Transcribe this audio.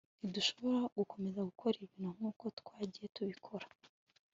ntidushobora gukomeza gukora ibintu nkuko twagiye tubikora